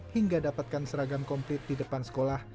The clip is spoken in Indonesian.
hingga dapatkan seragam komplit di depan sekolah